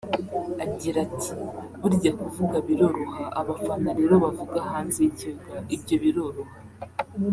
Agira ati”burya kuvuga biroroha abafana rero bavuga hanze y’ikibuga ibyo biroroha